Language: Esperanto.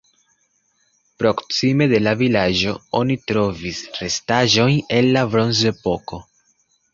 Proksime de la vilaĝo oni trovis restaĵojn el la bronzepoko.